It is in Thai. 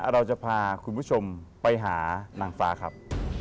เราจะพาคุณผู้ชมไปหานางฟ้าครับ